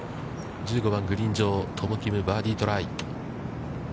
１５番、グリーン上、トム・キム、バーディートライ。